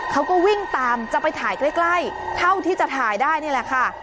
เขาก็วิ่งตามจะไปถ่ายใกล้เท่าที่จะถ่ายได้นี่แหละค่ะ